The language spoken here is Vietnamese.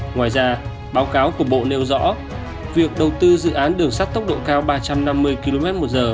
ngoài ra báo cáo của bộ nêu rõ việc đầu tư dự án đường sắt tốc độ cao ba trăm năm mươi kmh